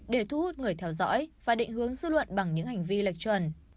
để thu hút người theo dõi và định hướng dư luận bằng những hành vi lệch chuẩn